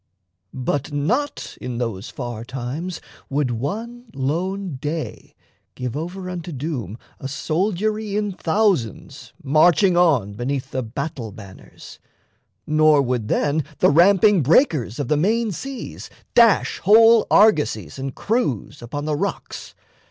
But not in those far times Would one lone day give over unto doom A soldiery in thousands marching on Beneath the battle banners, nor would then The ramping breakers of the main seas dash Whole argosies and crews upon the rocks.